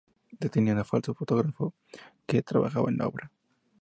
Detienen a falso topógrafo que trabajaba en la obra.